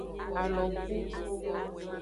Alogu.